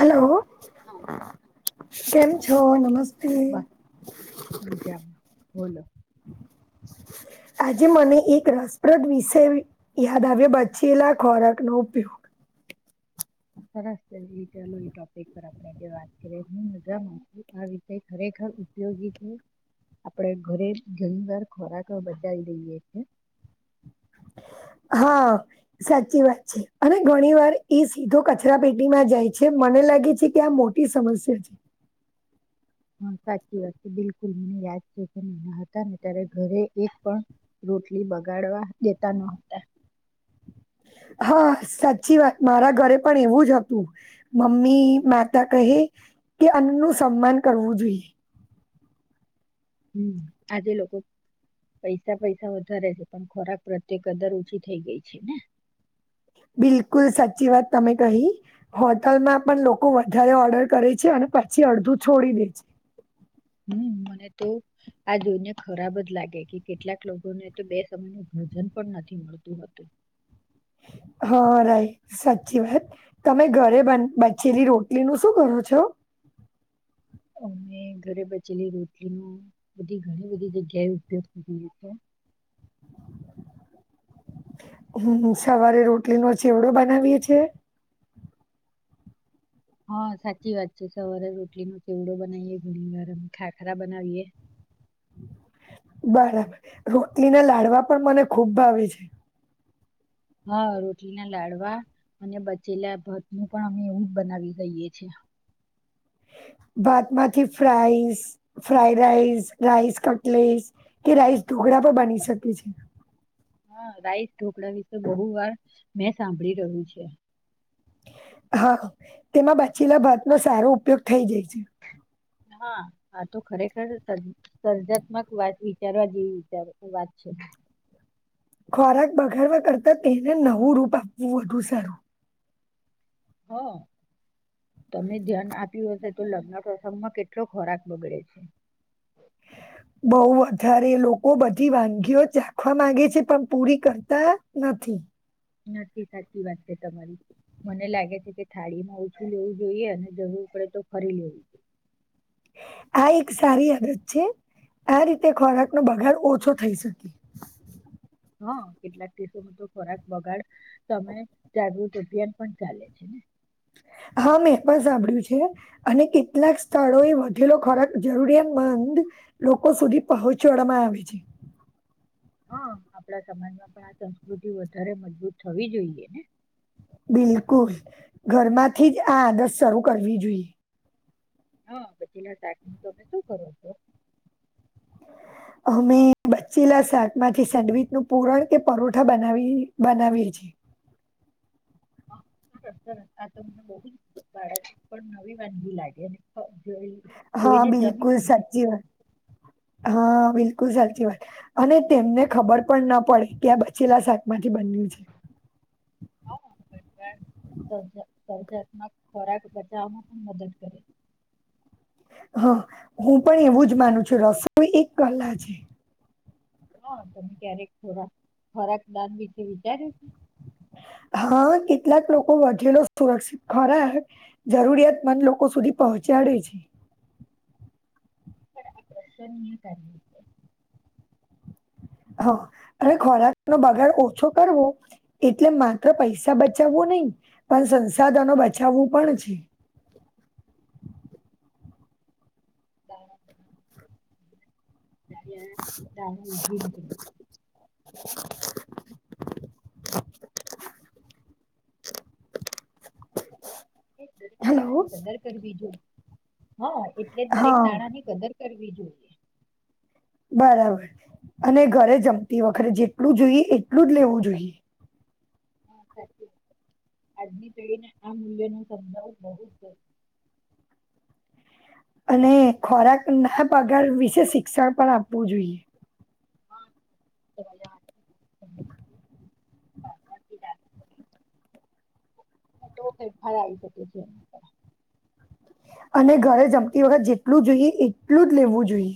Hello હા. કેમ છો નમસતે. બસ મજામાં. બોલો [inaudible] આજે મને એક રસપ્રદ વિષય યાદ આવ્યો બચેલા ખોરાકનો ઉપયોગ સરસ ચાલો ટોપિક પર આપણે જે વાત કરીએ હું મજામાં આ વિષય ખરેખર ઉપયોગી છે. આપણે ઘરે ઘણી વાર ખોરાક બચાવી દઈએ છે. [inaudible] હા સાચી વાત છે અને ઘણી વાર એ સીધો કચરા પેટીમાં જાય છે. મને લાગે છે કે આ મોટી સમસ્યા છે. હ સાચી વાત છે બિલકુલ મને યાદ છે કે નાના હતા ત્યારે ઘરે એક પણ રોટલી બગાડવા દેતા ન હતા. હા સાચી વાત મારા ઘરે પણ એવું જ હતું. મમ્મી માતા કહે કે અન્નનું સન્માન કરવું જોઈએ. હમ્મ આજે લોકો પૈસા પૈસા વધારે છે પણ ખોરાક પ્રત્યે કદર ઓછી થઈ ગઈ છે ને. બિલકુલ સાચી વાત તમે કહી. હોટલમાં પણ લોકો વધારે ઓર્ડર કરે છે અને પછી અડધું છોડી દે છે. હમ્મ. મને તો આ જોઈને ખરાબ જ લાગે કે કેટલાક લોકોને તો બે સમયનુ ભોજન પણ નથી મળતું હતુ. [inaudible] હ રાઇટ સાચી વાત તમે ઘરે બન બચેલી રોટલીનું શું કરો છો? અમે ઘરે બચેલી રોટલીનું બધી ઘણી બધી જગ્યાએ ઉપયોગ કર્યો હતો. હમ્મ સવારે રોટલીનો ચેવડો બનાવીએે છીએ. હ સાચી વાત છે સવારે રોટલીનો ચેવડો બનાવીએ ઘણી વાર ખાખરા બનાવીએ. બરાબર રોટલીના લાડવા પણ મને ખૂબ ભાવે છે. હ રોટલીના લાડવા અને બચેલા ભાત નું પણ અમે એવું જ બનાવી દઈએ છીએ. ભાતમાંથી fries fry rice rice cutlets કે રાઈસ ઢો કળા બની શકે છે. હા રાઈસ ઢોકળા વિશે બહુ વાર મેં સાંભળી રહ્યું છે. હા તેમાં બચેલા ભાતનો સારો ઉપયોગ થઈ જાય છે. હા આ તો ખરેખર સર સર્જાત્મક વાત વિચારવા જેવી વિચાર વાત છે. [unintelligible] ખોરાક બગાડવા કરતાં તેને નવું રૂપ આપવું વધુ સારું. હ તમે ધ્યાન આપ્યું હશે તો લગ્ન પ્રસંગમાં કેટલો ખોરાક બગડે છે. બહુ વધારે લોકો બધી વાનગીઓ ચાખવા માંગે છે, પણ પૂરી કરતા નથી. નથી સાચી વાત છે, તમારી મને લાગે છે કે થાળી માં ઓછું લેવું જોઈએ અને જરૂર પડે તો ફરી લેવું જોઈએ. આ એક સારી આદત છે, આ રીતે ખોરાકનો બગાડ ઓછો થઈ શકે. હ કેટલાક દેશોમાં તો ખોરાક બગાડ તમે જાગૃત અભિયાન પણ ચાલે છે, ને [unintelligible] હા મે પણ સાંભળ્યું છે, અને કેટલાક સ્થળો એ વધેલો ખોરાક જરૂરિયાતમંદ લોકો સુધી પહોંચાડવામાં આવે છે, હ આપણા સમાજમાં પણ આ સંસ્કૃતિ વધારે મજબૂત થવી જોઈએ, ને બિલકુલ ઘરમાંથી જ આ આદત શરૂ કરવી જોઈએ. હ બચેલા શાક નું તમે શું કરો છો? અમે બ બચેલા શાક માંથી સેન્ડવીચ નું પૂરણ કે પરોઠા બનાવી બનાવીએ છીએ. સરસ સરસ આ તો મને બઉ જ [unintelligible] પણ નવી વાનગી લાગે ને હા, બિલકુલ સાચી વાત હા બિલ કુલ સાચી વાત અને તેમને ખબર પણ ના પડે કે આ બચેલા શાક માંથી બન્યું છે. [unintelligible] [unintelligible] ખોરાક પચાવવામાં પણ મદદ કરે હ હું પણ એવું જ માનું છું રસોઈ એક કલા છે, હા, તમે ક્યારેક ખોરાક ખોરાક દાન વિશે વિચાર્યું છે [unintelligible] હ કેટલાક લોકો વધેલો સુરક્ષિત ખોરાક જરૂરિયાતમંદ લોકો સુધી પહોં ચાડે છે. પણ આ પ્રશ્ન [unintelligible] છે હ અને ખોરાક નો બગાડ ઓછો કરવો એટલે માત્ર પૈસા બચાવવું નહી પણ સંસાધનો બચાવવું પણ છે. [unintelligible] ત નાળ ઉજ નક [unintelligible] [unintelligible] દરેક હેલો. ની કદર કરવી જો, હા, એટલે જ દરેક હા, દાણા ની કદર કરવી જોઈએ. બરાબર અને ઘરે જમતી વખરે જેટલું જોઈએ એટલું જ લેવું જોઈએ. હા, સાચી વા આજની પડીને આ મૂલ્ય ન સમજાવો બહુ જ અને ખોરાક ના પગાર વિશે શિક્ષણ પણ આપવું જોઈએ. [inaudible] [unintelligible] તો ફર આવી શકે છે, એના અને ઘરે જમતી વખત જેટલું જોઈએ એટલું જ લેવું જોઈએ.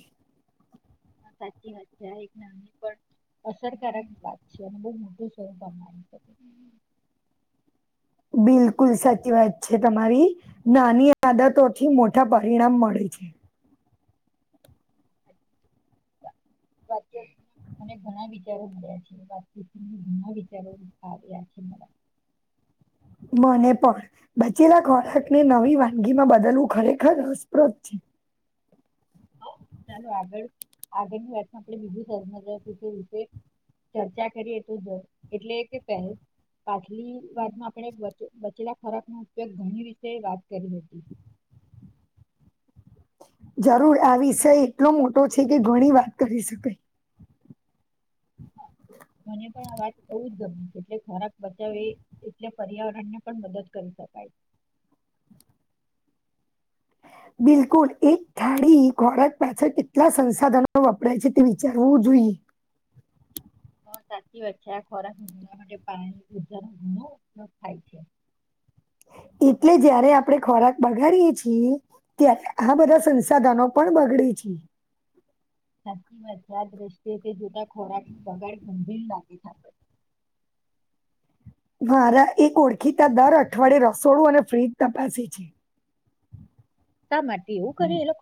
હા, સાચી વાત છે આ એક નાની પણ અસરકારક વાત છે, અને બહુ મોટું સ્વરૂપ [inaudible] બિલકુલ સાચી વાત છે, તમારી નાની આદતોથી મોટા પરિણામ મળે [unintelligible] [unintelligible] [unintelligible] મને ઘણા વિચારો મળ્યા છે, વાતચીત ઘણા વિચારો આવ્યા છે મારા મને પણ બચેલા ખોરાકને નવી વાનગી માં બદલવું ખરેખર રસ્પ્રદ છે, ચાલો આગળ આગળની વાત આપણે બીજું [inaudible] ચર્ચા કરીએ તો જો એટલે કે પહે પાછલી વાતમાં આપણે બચેલા ખોરાક નો ઉપયોગ ઘણી વિશે વાત કરી હતી. [inaudible] જરૂર આ વિષય એટલો મોટો છે કે ઘણી વાત કરી શકાય. મને પણ આ વાત બઉ ગમ્યું એટલે ખોરાક બચાવ એટલે પર્યાવરણ ને પણ મદદ કરી શકાય. [inaudible] [inaudible] બિલકુલ એક થાળી ખોરાક પાછળ કેટલા સંસાધનો વપરાય છે તે વિચારવું જોઈએ. [inaudible] સાચી વાત છેે આ ખોરાક ભવા માટે પાણી [inaudible] ઘણો ઉપયોગ થાય છે એટલે જયારે આપડે ખોરાક બગાડીએ છીએ ત્યારે આ બધા સંસાધનો પણ બગડે છે. સાચી વાત છે આ દ્રષ્ટિએ તે જોતા ખોરાક નું બગાડ ગંભીર લાગે છે આપણને. [inaudible] મારા એક ઓળખીતા દર અઠવાડિએ રસોડું અને ફ્રીજ તપાસે છે. શા માટે એવું કર્યું એ લો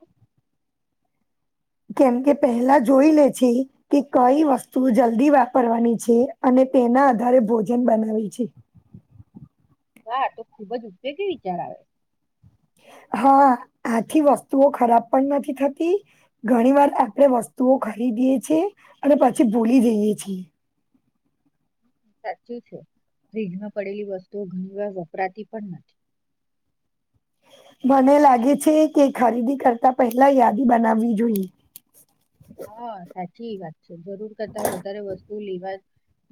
કેમ કે પહેલા જોઈ લે છે કે કઈ વસ્તુ જલ્દી વાપરવાની છે અને તેના આધારે ભોજન બનાવી છે. હા તો ખુબ જ ઉપયોગી વિચાર આવે. [inaudible] હા આથી વસ્તુઓ ખરાબ પણ નથી થતી ઘણી વાર આપડે વસ્તુઓ ખરી દીયે છે અને પછી બોલી જઈએ છીએ. સાચું છે ફ્રીજમાં પડેલી વસ્તુઓ ઘણી વાર વપરાતી પણ નથી. [inaudible] મને લાગે છે કે ખરીદી કરતા પહેલા યાદી બનાવવી જોઈએ. હા સાચી વાત છે જરૂર કરતા વધારે વસ્તુ લેવા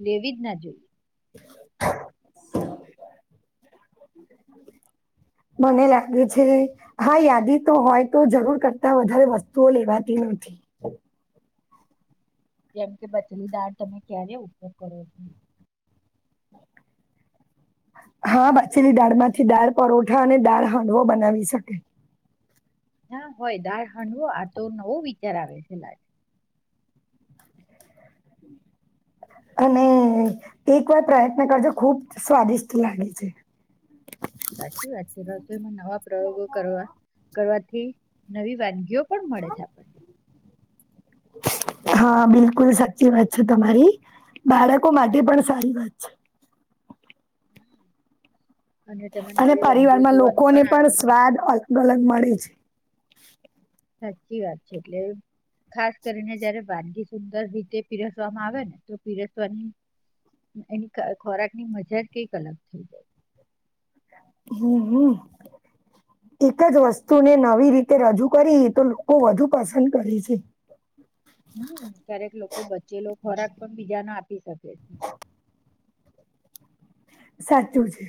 લેવી જ ના જોઈએ. [inaudible] મને લાગે છે હા યાદી તો હોય તો જરૂર કરતા વધારે વસ્તુઓ લેવાતી નથી. [inaudible] જેમ કે બચલી દાળ તમે ક્યારે ઉપયોગ કરો છો? હા બાચલી દાળ માંથી દાળ પરોઠા અને દાળ હાંડવો બનાવી શકે. ના હોય દાળ હાંડવો આતો નવો વિચાર આવે છે લડ અને એક વાર પ્રયત્ન કરજો ખુબ સ્વાદિષ્ટ લાગે છે. સાચી વાત છે રસોઈમાં નવા પ્રયોગો કરવા કરવાથી નવી વાનગીઓ પણ મળે છે આપણને. [inaudible] હા બિલકુલ સાચી વાત છે તમારી બાળકો માટે પણ સારી વાત છે. તેમાં અને નવી વાનગીઓ પરિવારમાં જોવાનું લોકોને પણ સ્વાદ અલગ અલગ મળે છે. સાચી વાત છે એટલે ખાસ કરીને જયારે વાનગી સુંદર રીતે પીરસવામાં આવે ને તો પીરસવાની એની ખોરાક ની મજા કઈક અલગ થઈ જાય. હમ હમ. એક જ વસ્તુને નવી રીતે રજૂ કરી તો લોકો વધુ પસંદ કરે છે. [inaudible] હમ ક્યારેક લોકો બચેલો ખોરાક પણ બીજાને આપી શકે છે. [inaudible] સાચું છે.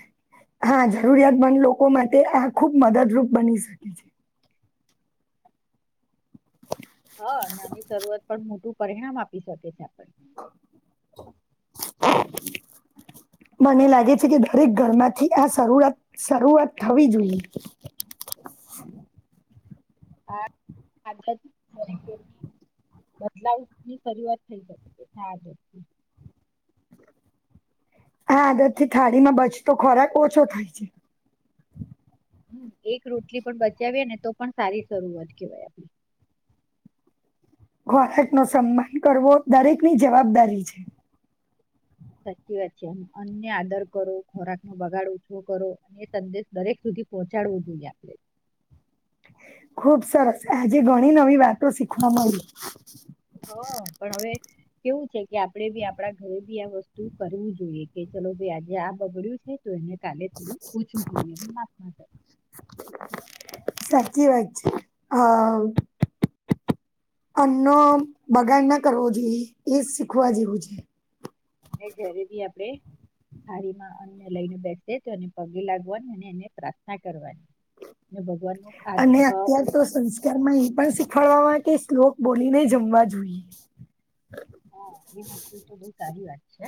હા જરૂરિયાતમંદ લોકો માટે આ ખુબ મદદરૂપ બની શકે છે. હા નાની શરૂઆત પણ મોટું પરિણામ આપી શકે છે આપણને [inaudible] [inaudible] મને લાગે છે કે દરેક ઘરમાંથી આ શરૂઆરૂ શરૂઆત થવી જોઈએ [inaudible] [inaudible] હા [unintelligible] [unintelligible] બદલાવ ની શરૂઆત થઈ શકે છેજથી [unintelligible] [inaudible] [inaudible] આ આદત થી થાળી માં બચતો ખોરાક ઓછો થાય છે. એક રોટલી પણ બચાવી ને તો પણ સારી શરૂઆત કેહેવાય આપણે ખોરાક નો સન્માન કરવો દરેકની જવાબદારી છે. સાચી વાત છે અન્નને આદર કરો ખોરાક નો બગાડ ઓછો કરો અને એ સંદેશ દરેક સુધી પહોચાડવું જોઈએ આપણે ખુબ સરસ આજે ઘણી નવી વાતો શીખવા મળી હ પણ હવે કેવું છે કે આપણેે બી આપડા ઘરે બી આ વસ્તુ કરવું જોઈએ. કે ચલો ભાઈ આજે આ બગડ્યું છે. તો એને કાલે થોું ઓછું કરીને માપ કરીયે કે વાત છે હા અન્નો બગાડ ના કરવો જોઈએ એ શીખવા જેવું છે અને ઘરે બી આપડે થારીમાં અન્નને લઈને બેસે તેને પગે લાગવાની અને એને પ્રાર્થના કરવાની હે ભગવાન નું ખા અને અત્ય્યારે તો સંસ્કારમાં એ પણ શીખડવામાં કે શ્લોક બોલીને જમવા જોઈએ. હા એ વસ્તુ તો બહુ સારી વાત છે.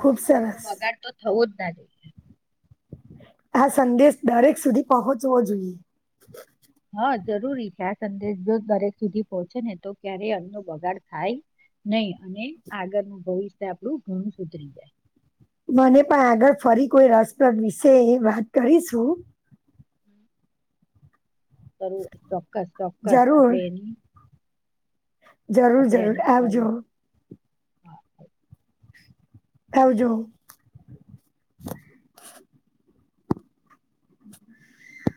ખુબ અન્ન નો સરસ બગાડ તો થવું જ ના જોઈએ આ સંદેશ દરેક સુધી પહોંચવો જોઈએ. હા જરૂરી છે આ સંદેશ જો દરેક સુધી પહોંચે ને તો ક્યારેય અન્નો બગાડ થાય નહી અને આગળનું ભવિષ્ય આપણું ઘણું સુધરી જાય. મને પણ આગળ ફરી કોઈ રસપ્રદ વિશે વાત કરીશું. હમ [inaudible] કરું ચોક્કસ ચોક્કસ જરૂર આપડે એની જરૂર આપણે જરૂર એની આવજો ફરી હા આવજો [inaudible] [inaudible]